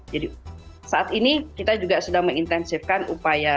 jadi saat ini kita juga sudah mengintensifkan upaya tnc